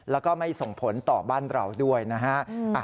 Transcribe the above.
แล้วก็ไม่ส่งผลต่อบ้านเราด้วยนะฮะ